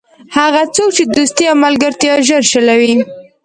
هغه څوک چې دوستي او ملګرتیا ژر شلوي.